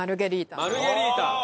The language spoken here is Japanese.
マルゲリータです。